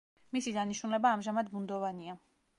მისი დანიშნულება ამჟამად ბუნდოვანია.